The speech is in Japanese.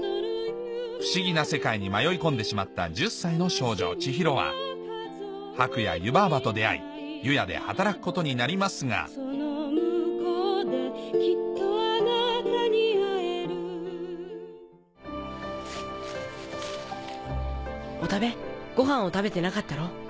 不思議な世界に迷い込んでしまった１０歳の少女千尋はハクや湯婆婆と出会い湯屋で働くことになりますがお食べごはんを食べてなかったろう？